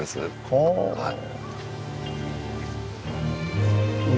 はい。